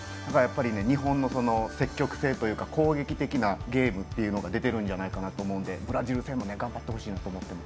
日本の積極性というか攻撃的なゲームというのが出てるんじゃないかなと思うのでブラジル戦も頑張ってほしいです。